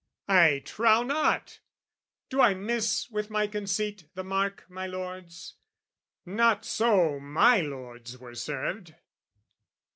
I trow not! do I miss with my conceit The mark, my lords? not so my lords were served!